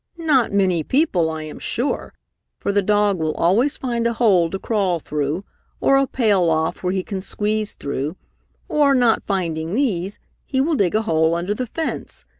Not many people, I am sure, for the dog will always find a hole to crawl through or a pale off where he can squeeze through, or, not finding these, he will dig a hole under the fence.